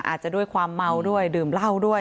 อาจจะด้วยความเมาด้วยดื่มเหล้าด้วย